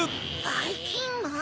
ばいきんまん。